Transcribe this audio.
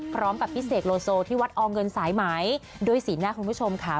พี่เสกโลโซที่วัดอเงินสายไหมด้วยสีหน้าคุณผู้ชมค่ะ